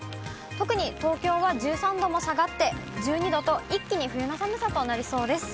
特に東京は１３度も下がって１２度と、一気に冬の寒さとなりそうです。